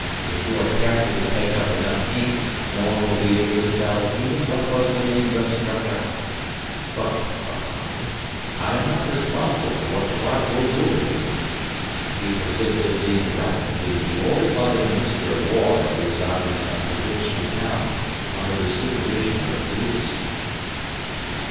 If you are careful to take up enough ink no one will be able to tell even what was the name thus struck out. But, par example, I am not responsible for what Clarke will do with him. If he persist in being rabid he will be ordered by the Minster of War to reside in some provincial town under the supervision of the police."